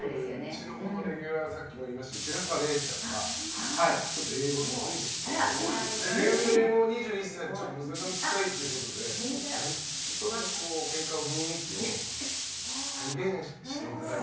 レギュラー、さっきもいました白河れいちゃんが英語得意でして、年齢も２１歳で娘さんと近いということでケンカの雰囲気を再現していただいても？